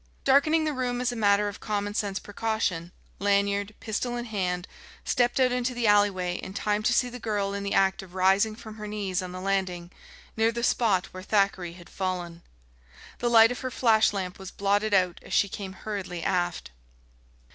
Darkening the room as a matter of common sense precaution, Lanyard, pistol in hand, stepped out into the alleyway in time to see the girl in the act of rising from her knees on the landing, near the spot where Thackeray had fallen. The light of her flash lamp was blotted out as she came hurriedly aft.